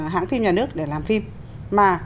hãng phim nhà nước để làm phim mà